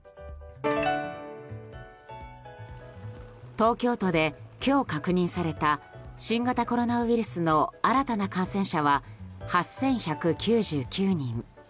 東京都で今日、確認された新型コロナウイルスの新たな感染者は８１９９人。